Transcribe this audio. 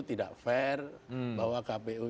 tidak fair bahwa kpu